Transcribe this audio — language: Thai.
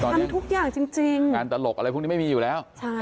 ทำทุกอย่างจริงงานตลกอะไรพวกนี้ไม่มีอยู่แล้วใช่